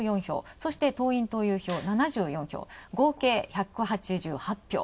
そして、党員・党友票７４票、合計１８８票。